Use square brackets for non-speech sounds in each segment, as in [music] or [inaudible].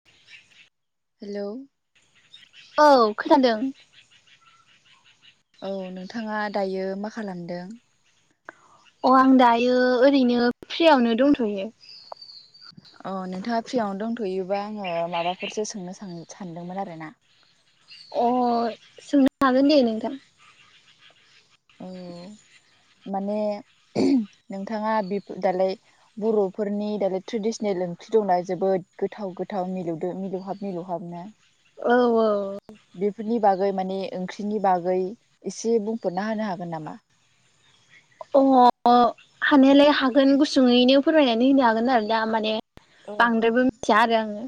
[inaudible] Hello औ खोनादों। औ नोंथाङा दायो मा खालामदों? अ आं दायो ओरैनो फ्रियावनो दंथ'यो। अ नोंथाङा फ्रियावनो दंथ'योबा आङो माबाफोरसो सोंनो सानदोंमोन आरोना। अ सोंनो हागोन दे नोंथां। औ माने नोंथाङा बे दालाय बर'फोरनि दालाय ट्रेडिसनेल ओंख्रि दंना जोबोद गोथाव गोथाव मिलौदो मिलौहाब मिलौहाबना औ औ बेफोरनि बागै माने ओंख्रिनि बागै एसे बुंफोरना हो हागोन नामा? अ हानायालाय हागोन गुसुङैनो फोरमायनानै होनो हागोन आरो दा माने औ औ बांद्रायबो मिथिया आरो आङो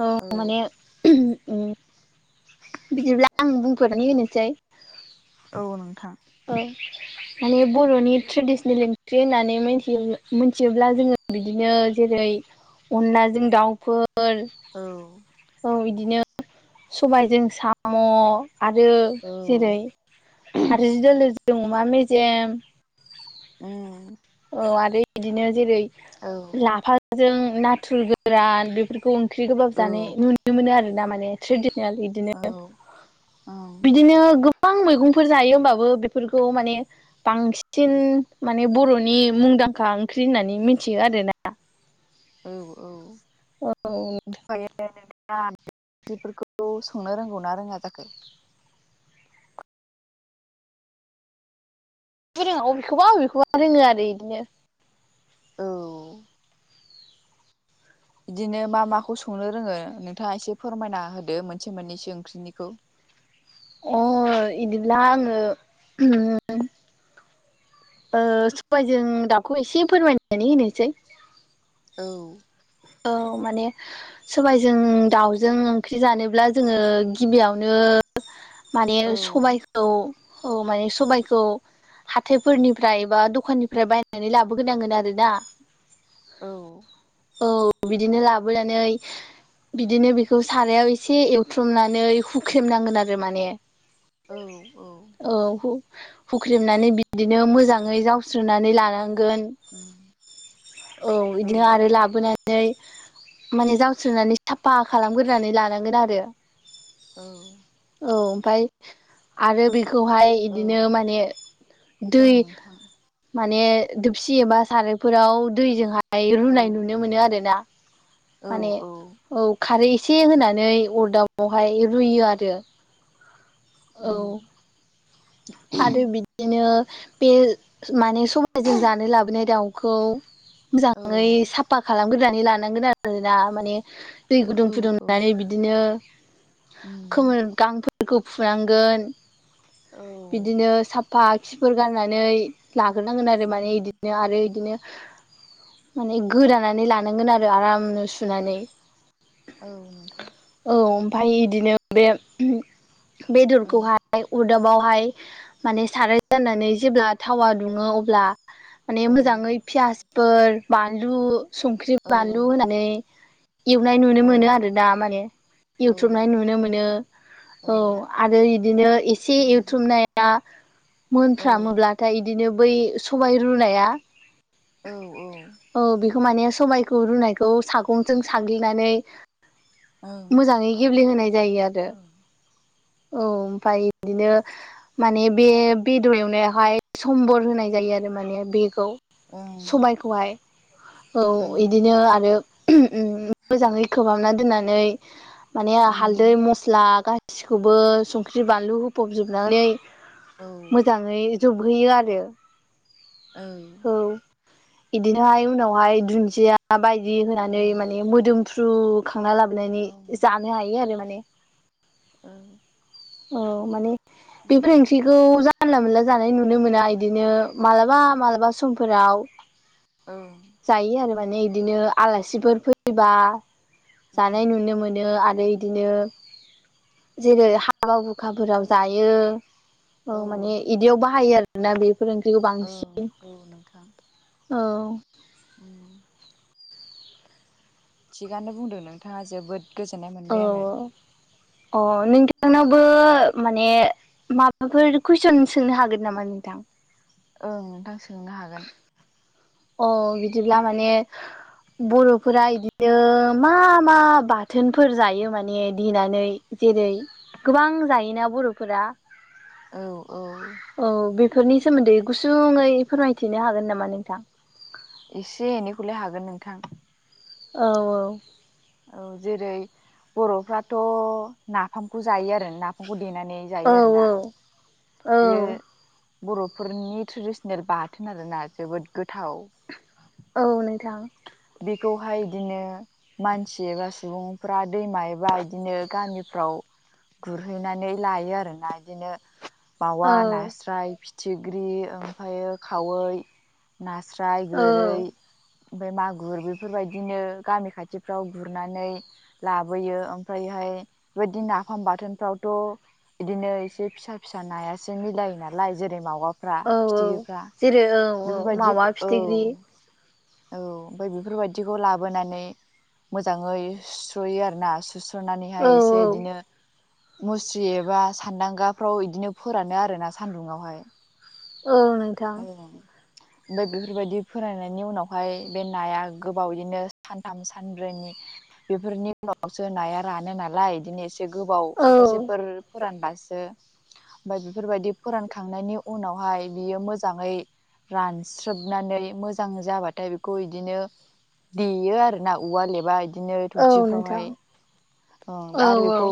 औ माने बिदिब्ला आं बुंफोरनानै होनोसै औ नोंथां। औ माने बर'नि ट्रेडिसनेल ओंख्रि होननानैथि मिथियोब्ला जोङो बिदिनो जेरै अनलाजों दाउफोर औ औ बिदिनो सबायजों साम' आरो औ जेरै नारजि दोलोजों अमा मेजेम ओम औ आरो इदिनो जेरै औ लाफाजों नाथुर गोरान बेफोरखौ ओंख्रि गोबाब औ जानाय नुनो मोनो आरो ना माने ट्रेडिसनेल इदिनो, औ ओं बिदिनो गोबां मैगंफोर जायो होमबाबो बेफोरखौ माने बांसिन माने बर'नि मुंदांखा ओंख्रि होननानै मिथियो आरोना। औ औ औ ओमफ्रायो नोथाङा बेफोरखौ संनो रोंगौ ना रोङा जाखो। रोङा अबेखौबा अबेखौबा रोङो आरो इदिनो। औ बिदिनो मा माखौ संनो रोङो नोंथाङा एसे फोरमायना होदो मोनसे मोननैसो ओंख्रिनिखौ अ इदिब्ला आङो सबायजों दावखौ एसे फोरमायनानै होनोसै। औ औ माने सबायजों दाउजों ओंख्रि जानोब्ला जोङो गिबियावनो माने औ सबायखौ औ माने सबायखौ हाथायफोरनिफ्राय बा दखाननिफ्राय बायनानै लाबोगोरनांगोन आरोना। औ औ बिदिनो लाबोनानै बिदिनो बेखौ सारायाव एसे एवथ्रमनानै हुख्रेमनांगोन आरो माने। औ औ औ हु-हुख्रेमनानै बिदिनो मोजाङै जावस्रोनानै लानांगोन। औ इदि आरो लाबोना नै माने जावस्रोनानै साफा खालामगोरनानै लानांगोन आरो। औ औ ओमफाय आरो बेखौहाय औ इदिनो माने औ दै नोंथां माने दोबसि एबा सारायफोराव दैजोंहाय औ रुनाय नुनो मोनो आरो। दा औ माने औ औ खारै एसे होनानै अरदाबावहाय रुयो आरो। औ ओं आरो बिदिनो बे माने सम जों जानो लाबोनाय दाउखौ औ मोजाङै साफ फा खालामगोरनानै लानांगोन आरोना माने दै औ गुदुं औ फुदुंनानै बिदिनो उम खोमोर-गांफोरखौ फुनांगोन। औ बिदिनो साफा खिफोर गारनानै लागोरनांगोन आरो उम माने इदिनो आरो इदिनो माने गोदानानै लानांगोन आरो आरामनो सुनानै। औ नोंथां। औ ओमफाय बिदिनो बे औ बेदरखौहाय अरदाबावहाय माने साराय जनानै जेब्ला थावा दुङो अब्ला माने औ मोजाङै फियास फोर बानलु संख्रि औ बानलु होनानै एवनाय नुनो औ मोनो आरो दा माने औ एवथ्रबनाय नुनो मोनो। औ आरो इदिनो एसे एवथ्रबनाय दा मोनफ्रामोब्लाथाय इदिनो बै सबाय रुनाया औ औ। औ बेखौ माने सबायखौ रुनायखौ सागंजों साग्लिनानै ओं मोजाङै गेब्लेहोनाय जायो औ आरो औ। ओमफाय इदिनो माने बे बेदर एवनायावहाय सम्बर होनाय जायो आरो माने बेखौ नोंथां सबायखौहाय। औ इदिनो आरो उम मोजाङै खोबहाबना दोननानै माने हालदै मस्ला गासिखौबो संख्रि बानलु होफबजोबनानै मोजाङै जोबहैयो आरो। औ। औ इदिनोहाय उनावहाय दुन्दिया बायदि होनानै माने मोदोमफ्रु थ्रु खांना लाबोनानै जानो हायो आरो माने। ओं। औ माने बेफोर ओंख्रिखौ जा जानला मोनला जानाय नुनो मोना इदिनो मालाबा मालाबा समफोराव ओ। जायो आरो माने इदिनो आलासिफोर फैबा जानाय नुनो मोनो आरो इदिनो जेरै हाबा हुखाफोराव जायो औ माने इदियाव बाहायो आरोना बेफोर ओंख्रिखौ बां औ औ नोंथां। औ। थिगानो बुंदों नोंथाङा जोबोद गोजोननाय औ मोनबाय आङो ओं अ अ नोंथांनावबो माने माबाफोर कुइसन सोंनो हागोन नामा नोंथां? ओं नोंथां सोंनो हागोन। अ बिदिब्ला माने बर'फोरा इदिनो मा मा बाथोनफोर जायो माने देनानै? जेरै गोबां जायोना बर'फोरा। औ औ। औ बेफोरनि सोमोन्दै गुसुङै फोरमायथिनो हागोन नामा नोंथां? एसे एनैखौलाय हागोन नोंथां। औ औ। औ जेरै बर'फ्राथ' नाफामखौ जायो आरो नाफामखौ देनानै औ जायो आरो ना। औ बेयो औ बर'फोरनि ट्रेडिसनेल बाथोन आरोना जोबोद गोथाव। औ नोंथां। बेखौहाय इदिनो मानसि एबा सुबुंफ्रा दैमा एबा इदिनो गामिफ्राव गुरहैनानै लायो आरोना इदिनो मावा औ नास्राय फिथिख्रि ओमफायो खावै नास्राय औ गोरै ओमफाय मागुर बेफोरबायदिनो गामि खाथिफ्राव गुरनानै लाबोयो ओमफायहाय बेबदिनाफाम बाथोनफ्रावथ' इदिनो इसे फिसा फिसा नायासो मिलायो नालाय जेरै मावा फ्रा औ औ फिथिख्रिफ्रा जेरै औ औ बेफोरबायदि मावा फिथिख्रि औ। औ ओमफ्राय बेफोरबायाददिखौ लाबोनानै मोजाङै सुयो आरोना सुस्र' फ'नानैहाय औ औ एसे इदिनो मुस्रि एबा सान्दांगाफ्राव इदिनो फोरानो आरो ना सान्दुंङावहाय औ नोंथां औ ओमफ्राय बेफोरबायदि फोरोंनायनि उनावहाय बे नाया गोबाव बिदिनो सानथाम सानब्रैनि बेफोरनि उनावसो नाया रानो नालाय बिदिनो एसे एसे गोबाव औ सप्तासेफोर फोरानबासो ओमफ्राय बेफोरबायदि फोरानखांनायनि उनावहाय बियो मोजां मोजाङै रानस्रोबनानै मोजां जाबाथाय बेखौ बिदिनो देयो आरो ना औवा लेबा बिदिनो औ नोंथां थौसिफ्रावहाय औ आरो औ बेखौ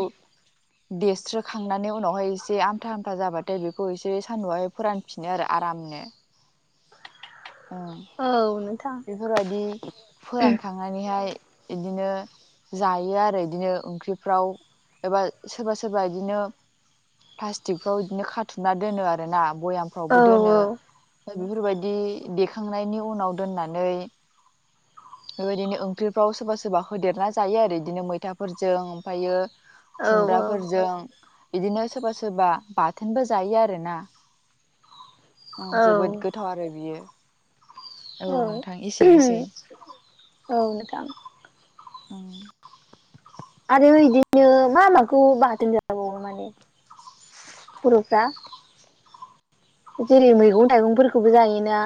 देरस्रोखांनानै उनावहाय एसे आमथा आमथा जाबाथाय बेखौ एसे सान्दुंआहाय फोरानफिनो आरो। आरामनो। ओ औ नोंथां बेफोरबायदि फोरानखांनानैहाय इदिनो जायो आरो बिदिनो ओंख्रिफ्राव एबा सोरबा सोरबा इदिनो प्लास्टिकफ्राव बिदिनो खाथुमना दोनो आरोना औ भयामफ्रावबो दोनो बेफोरबायदि देखांनायनि उनाव दोननानै बेबायदिनो ओंख्रिफ्राव सोरबा सोरबा होदेरना जायो आरो बिदिनो मैथाफोरजों ओमफ्रायो औ खुमब्राफोरजों बिदिनो सोरबा सोरबा बाथोनबो जायो आरोना औ जोबोद गोथाव आरो बियो औ नोंथां एसेनोसै औ नोंथां। ओं आरो इदिनो मा माखौ बाथोन जाजाबावो माने बर'फ्रा जेरै मैगं थाइगंफोरखौबो जायोना।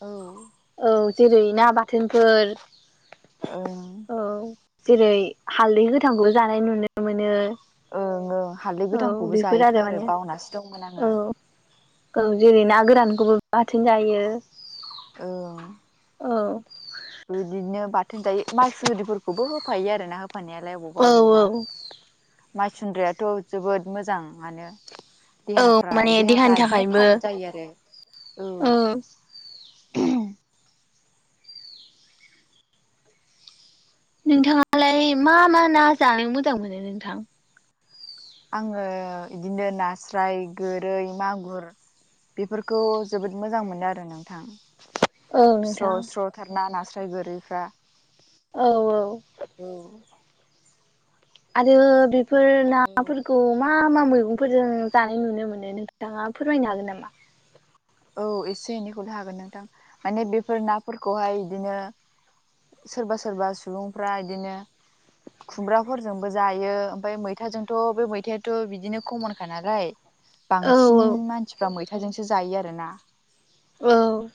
औ औ जेरै ना बाथोनफोर ओं औ जेरै हालदै गोथांखौ जानाय नुनो मोनो। ओं ओं हालदै औ गोदांखौबो बेफोर जायोथ' आरो माने बावनासो दंमोन औ आङो। औ जेरै ना गोरानखौबो बाथोन जायो। ओं औ बिदिनो बाथोन जायो माइसुनद्रिफोरखौबो होफायो आरोना होफानायालाय अबावबा औ औ अबावबा माइसुन्द्रियाथ' जोबोद मोजाङानो औ माने देहाफ्राव देहानि देहाफ्रा बिदिनो थाखायबो थागद जायो आरो औ नोंथाङालाय मा मा ना जानो मोजां मोनो नोंथां? आङो बिदिनो नास्राय गोरै मागुर बेफोरखौ जोबोद मोजां मोनो आरो नोंथां। औ स्र' नोंथां स्र'थारना नास्राय गोरैफ्रा औ औ औ आरो बेफोर औ नाफोरखौ मा मा मैगंफोरजों जानाय नुनो मोनो नोंथाङा फोरमायनो हागोन नामा? औ एसे एनैखौल हागोन नोंथां माने बेफोर नाफोरखौहाय इदिनो सोरबा सोरबा सुबुंफ्रा इदिनो खुमब्राफोरजोंबो जायो ओमफ्राय मैथाजोंथ' बे मैथायाथ' बिदिनो खमनखा नालाय औ बांसिन मानसिफ्रा मैथाजोंसो जायो आरोना। औ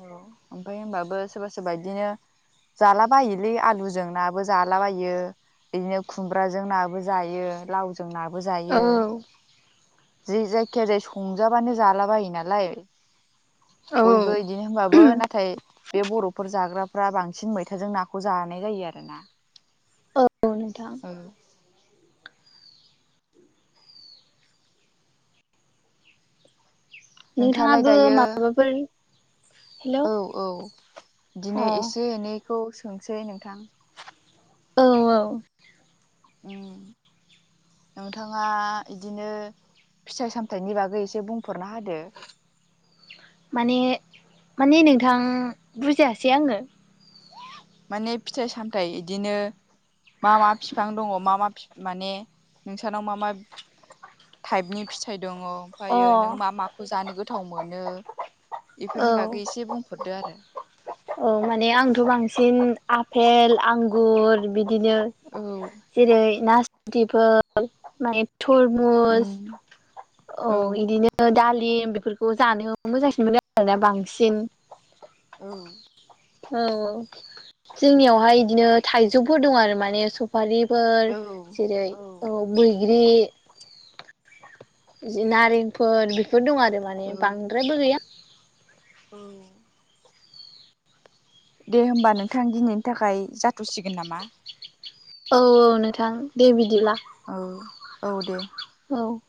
औ ओमफ्राय होनबाबो सोरबा सोरबा इदिनो जालाबायोलै आलुजों नाबो जालाबायो बिदिनो खुमब्राजों नाबो जायो लाव जोंनाबो जायो औ जे जायखिया जाया संजाबानो जाला बायो नालाय नालाय औ बयबो बिदिनो होनबाबो नाथाय बे बर' फोर जाग्राफ्रा बांसिन मैथाजों नाखौ जानाय जायो आरो ना औ नोंथां नोंथाङालाय नोंथाङाबो दायो माबाफोर हेलौ औ औ अ बिदिनो एसे एनैखौ सोंसै नोंथां औ औ उम नोंथाङा इदिनो फिथाइ सामथाइनि बागै एसे बुंफोरन होदो माने माने नोंथां बुजायासै आङो? माने फिथाइ सामथायाइ बिदिनो मा मा बिफां दङ मा मा माने नोंसनाव मा मा टाइपनि फिथाइ दङ अ ओमफ्रायो नों मा माखौ जानो गोथाव मोनो? बेफोरनि बागै एसे बुंफोररदो आरो? अ माने आंथ' बांसिन आफेल आंगुर बिदिनो औ जेरै नासफुथिफोर माने तरमुस उम औ बिदिनो दालि बेफोरखौ जानो मोजांसिन मोनो आरोना बांसिन औ औ-औ जोंनियावहाय बिदिनो थाइजौफोर दं आरो माने स फारिफोर औ जेरै औ मैग्रि जि नारेंफोर बेफोर दं आरो माने बांद्रायबो गैया। औ दे होमबा नोंथां दिनैनि थाखाय जाथ'सिगोन नामा? औ-औ नोंथां दे बिदिब्ला। औ-औ दे। औ